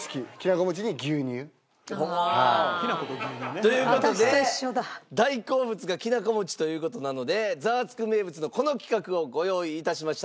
という事で大好物がきなこ餅という事なので『ザワつく！』名物のこの企画をご用意致しました。